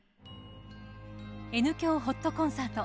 「Ｎ響ほっとコンサート」。